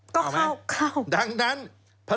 เข้าไหมดังนั้นก็เข้า